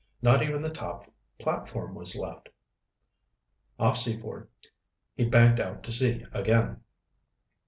Not even the top platform was left. Off Seaford, he banked out to sea again.